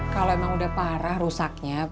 kalau emang udah parah rusaknya